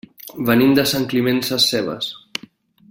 Venim de Sant Climent Sescebes.